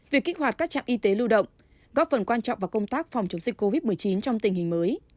việc kích hoạt các trạm y tế lưu động góp phần quan trọng vào công tác phòng chống dịch covid một mươi chín trong tình hình mới